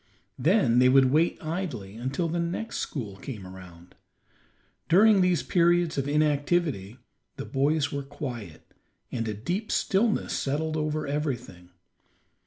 Then they would wait idly until the next school came around. During these periods of inactivity the boys were quiet, and a deep stillness settled over everything.